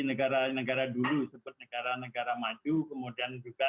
negara negara dulu seperti negara negara maju kemudian juga